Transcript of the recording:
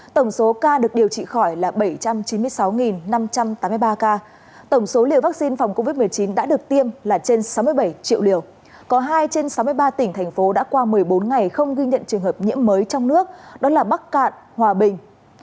trên sáu mươi ba tỉnh thành phố đã qua một mươi bốn ngày không ghi nhận trường hợp nhiễm mới trong nước đó là bắc cạn hòa bình